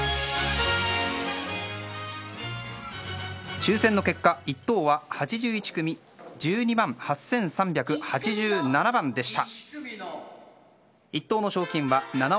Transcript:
抽選の結果、１等は８１組１２８３８７番でした。